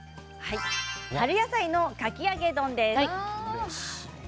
春野菜のかき揚げ丼です。